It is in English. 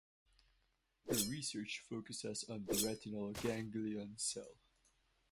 Her research focuses on the retinal ganglion cell.